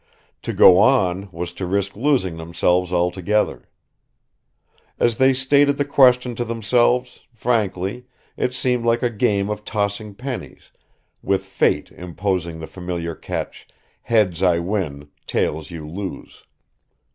To go on was to risk losing themselves altogether. As they stated the question to themselves, frankly, it seemed like a game of tossing pennies, with Fate imposing the familiar catch, "Heads, I win; tails, you lose."